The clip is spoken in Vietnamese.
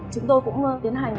chúng tôi cũng tiến hành